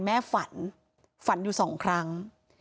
แม่ฝันฝันอยู่สองครั้ง